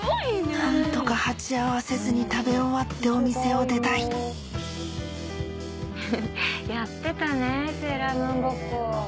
何とか鉢合わせずに食べ終わってお店を出たいやってたねセーラームーンごっこ。